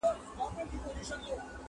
خدای راکړي تېزي سترگي غټ منگول دئ،